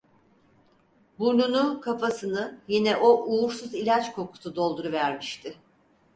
Burnunu, kafasını yine o uğursuz ilaç kokusu dolduruvermişti.